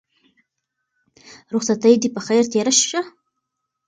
رخصتي دې په خير تېره شه.